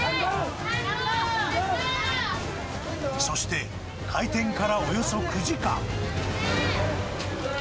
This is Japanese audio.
そして開店からおよそ９時間。